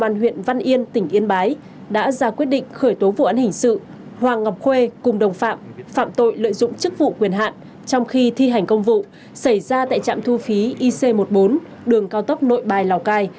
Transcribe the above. liên quan tới vụ án lợi dụng chức vụ quyền hẳn trong khi thi hành công vụ xảy ra tại trạm thu phí ic một mươi bốn đường cao tốc nội bài lào cai